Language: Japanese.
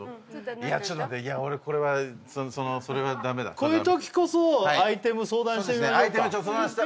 いやちょっと待っていや俺これはそれはダメだこういう時こそアイテム相談してみましょうか？